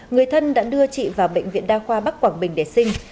người thân đã đưa chị vào bệnh viện đa khoa bắc quảng bình để sinh